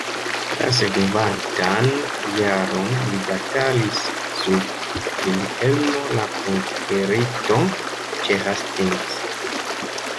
La sekvantan jaron li batalis sub Vilhelmo la Konkerinto ĉe Hastings.